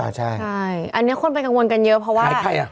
อ่าใช่อันนี้คนไปกังวลกันเยอะเพราะว่าใครอ่ะ